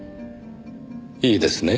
いいですね？